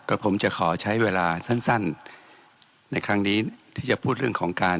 ก็ผมจะขอใช้เวลาสั้นในครั้งนี้ที่จะพูดเรื่องของการ